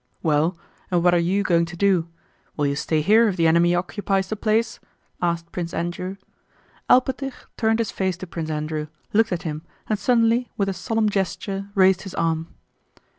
"Well, and what are you going to do? Will you stay here if the enemy occupies the place?" asked Prince Andrew. Alpátych turned his face to Prince Andrew, looked at him, and suddenly with a solemn gesture raised his arm.